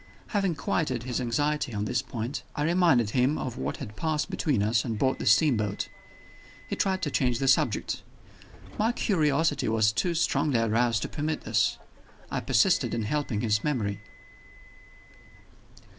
Having quieted his anxiety on this point, I reminded him of what had passed between us on board the steamboat. He tried to change the subject. My curiosity was too strongly aroused to permit this; I persisted in helping his memory.